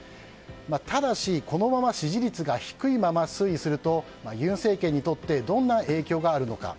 ただし、このまま支持率が低いまま推移すると尹政権にとってどんな影響があるのか。